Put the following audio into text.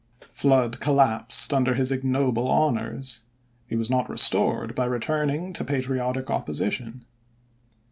Flood collapsed under his ignoble honors. He was not restored by returning to patriotic opposition.